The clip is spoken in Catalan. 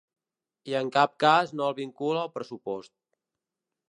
I en cap cas no el vincula al pressupost.